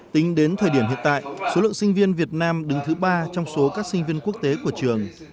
tính đến thời điểm hiện tại số lượng sinh viên việt nam đứng thứ ba trong số các sinh viên quốc tế của trường